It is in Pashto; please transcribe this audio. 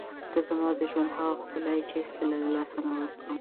ته زما د ژوند هغه ښکلا یې چې هېڅکله یې له لاسه نه ورکوم.